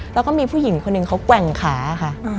แล้วก็มีผู้หญิงคนหนึ่งเขาแกว่งขาค่ะ